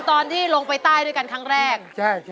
ตอนที่ลงไปใต้ด้วยกันครั้งแรก